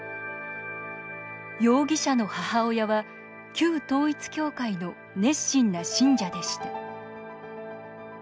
容疑者の母親は旧統一教会の熱心な信者でした。